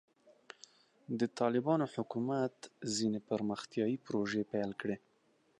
د طالبانو حکومت ځینې پرمختیایي پروژې پیل کړې.